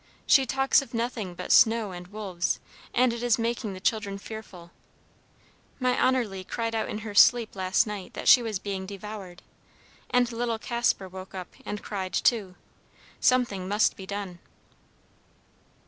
She talks of nothing but snow and wolves, and it is making the children fearful. My Annerle cried out in her sleep last night that she was being devoured, and little Kasper woke up and cried too. Something must be done!"